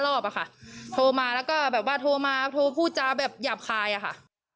๔๕รอบอะคะโทรมาแล้วก็โทรมาพูดจาระแบบย่าคายอะอะค่ะ